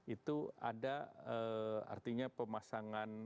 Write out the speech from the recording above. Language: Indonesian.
itu ada artinya pemasangan